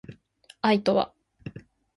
愛とは